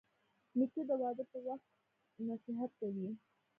نیکه د واده پر وخت نصیحت کوي.